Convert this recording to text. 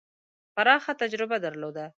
پراخه تجربه درلوده.